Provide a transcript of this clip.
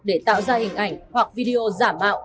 để tạo ra hình ảnh hoặc video giả mạo